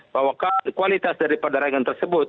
bahwa kualitas daripada rangan tersebut